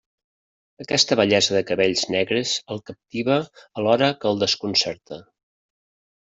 Aquesta bellesa de cabells negres el captiva alhora que el desconcerta.